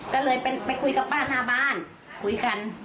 ก็เลยไปคุยกับป้าหน้าบ้านคุยกัน